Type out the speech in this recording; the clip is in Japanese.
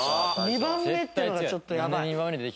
２番目っていうのがちょっとやばい。